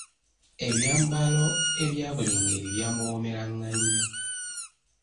Ebyambalo ebya buli ngeri byamuwoomeranga nnyo.